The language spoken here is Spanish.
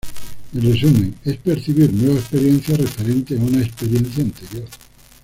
En resumen, es percibir nueva experiencia referente a una experiencia anterior.